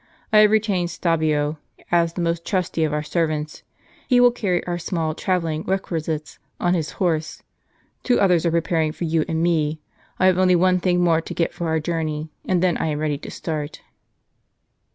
I have retained Stabio, as the most trusty of our servants ; he will carry our small trav elling requisites on his horse. Two others are preparing for you and me. I have only one thing more to get for our jour ney, and then I am ready to start."